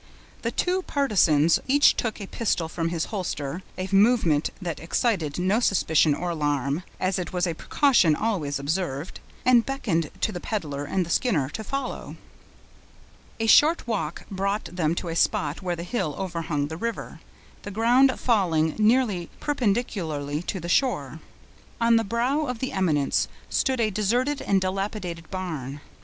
The two partisans each took a pistol from his holster, a movement that excited no suspicion or alarm, as it was a precaution always observed, and beckoned to the peddler and the Skinner to follow. A short walk brought them to a spot where the hill overhung the river, the ground falling nearly perpendicularly to the shore. On the brow of the eminence stood a deserted and dilapidated barn.